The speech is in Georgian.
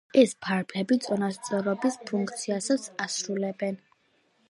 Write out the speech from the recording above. ეს ფარფლები წონასწორობის ფუნქციასაც ასრულებენ.